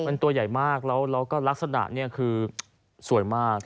มันตัวใหญ่มากแล้วก็ลักษณะเนี่ยคือสวยมาก